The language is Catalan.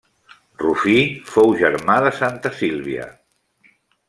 Rufí fou germà de santa Sílvia.